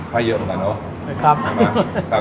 ให้เยอะกว่านั้นเนอะ